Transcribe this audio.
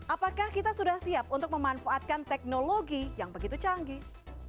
apakah kita sudah siap untuk memanfaatkan teknologi yang begitu canggih